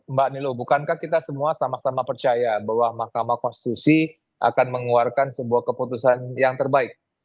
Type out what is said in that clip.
mbak nilo bukankah kita semua sama sama percaya bahwa mahkamah konstitusi akan mengeluarkan sebuah keputusan yang terbaik